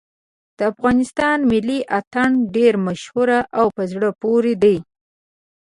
د افغانستان ملي اتڼ ډېر مشهور او په زړه پورې دی.